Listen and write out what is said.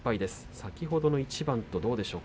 先ほどの一番とどうでしょうか。